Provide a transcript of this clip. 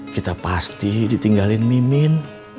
kita pasti ditinggalin mimin